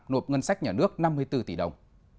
nộp ngân sách nhà nước năm mươi bốn tỷ đồng